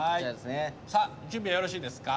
さあ準備はよろしいですか？